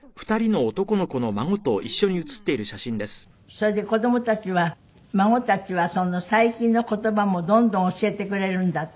それで子供たちは孫たちは最近の言葉もどんどん教えてくれるんだって？